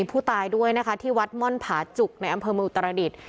ผู้ตายที่วัดม่อนผาจุกในอำเภอมริอุตรศ์ตระลักษณฑ์